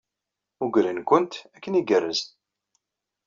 Mmugren-kent akken igerrez.